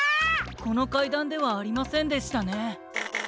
このかいだんではありませんでしたね。